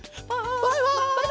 バイバイ！